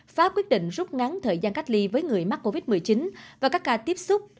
pháp quyết định rút ngắn thời gian cách ly với người mắc covid một mươi chín và các ca tiếp xúc